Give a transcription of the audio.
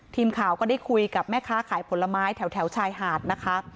ทีมข่าวก็ได้คุยกับแม่ค้าขายผลไม้แถวชายหาดนะคะ